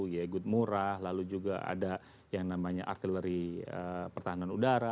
ya good murah lalu juga ada yang namanya artileri pertahanan udara